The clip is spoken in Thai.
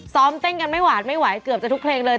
ซ้อมเต้นกันไม่หวานไม่ไหวเกือบจะทุกเพลงเลย